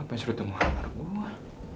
apa yang suruh tunggu di kamar gue